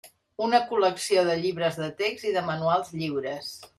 Una col·lecció de llibres de text i de manuals lliures.